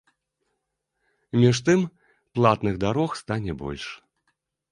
Між тым, платных дарог стане больш.